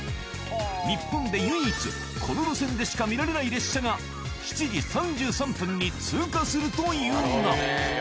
日本で唯一、この路線でしか見られない列車が、７時３３分に通過するというが。